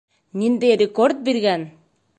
Ниндәй рекорд биргән!